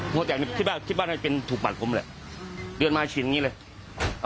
หัวแตกที่บ้านที่บ้านก็เป็นถูกปัดผมแหละเลือดมาชินอย่างนี้เลย